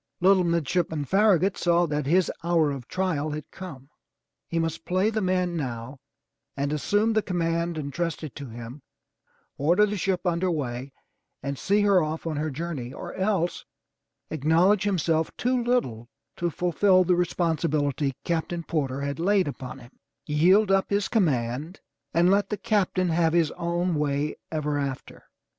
Little Midshipman Farragut saw that his hour of trial had come. He must play the man now and assume the command entrusted to him, order the ship under way and see her off on her journey, or else acknowledge himself too little to fulfill the responsibility Captain Porter had laid upon him, yield up his t' 357 M Y BOOK HOUSE command and let the Captain have his own way ever after.